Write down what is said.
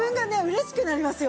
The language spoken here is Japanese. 嬉しくなりますよ。